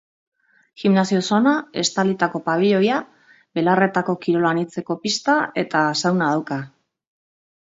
Gimnasio-zona, estalitako pabiloia, belarretako kirol anitzeko pista, eta sauna dauka.